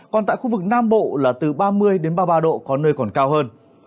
còn tại khu vực nam bộ là từ ba mươi ba mươi ba độ có nơi còn cao hơn